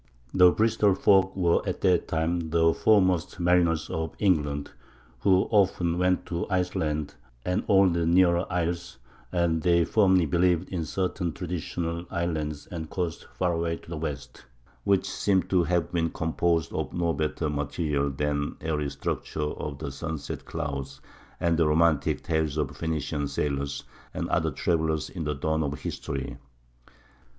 The Bristol folk were at that time the foremost mariners of England, who often went to Iceland and all the nearer isles; and they firmly believed in certain traditional islands and coasts far away to the west, which seem to have been composed of no better material than the airy structures of the sunset clouds and the romantic tales of Phenician sailors and other travelers in the dawn of history.